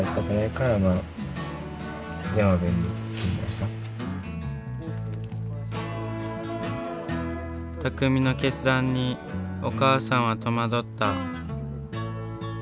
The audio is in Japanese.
たくみの決断にお母さんは戸惑った。